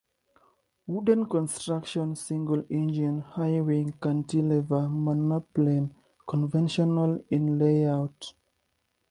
Wooden construction single-engine high-wing cantilever monoplane, conventional in layout.